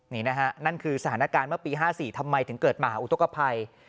นี่นะฮะนั่นคือสถานการณ์เมื่อปี๕๔ทำไมถึงเกิดมหาอุทธกภัย